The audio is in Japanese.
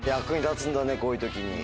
こういう時に。